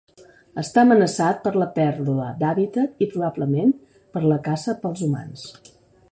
Està amenaçat per la pèrdua d'hàbitat i, probablement, per la caça pels humans.